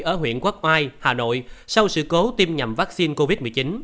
ở huyện quốc oai hà nội sau sự cố tiêm nhầm vaccine covid một mươi chín